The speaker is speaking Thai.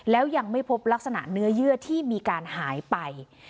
แล้วยังไม่พบลักษณะเนื้อเยื่อที่มีการหายไป